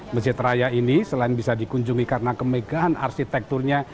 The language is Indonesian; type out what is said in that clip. masjid raya ini selain bisa dikunjungi karena kemegahan arsitekturnya